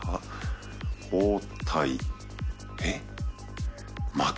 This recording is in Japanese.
包帯えっ幕？